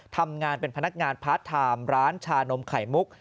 ทำงานเป็นพนักงานพาร์ทไทม์ร้านชานมไข่มุก